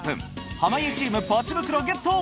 濱家チームポチ袋ゲット。